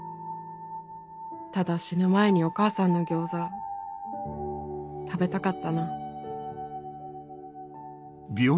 ただ死ぬ前にお母さんの餃子食べたかったな」。